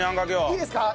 いいですか？